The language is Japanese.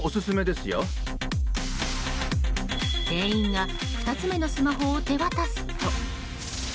店員が２つ目のスマホを手渡すと。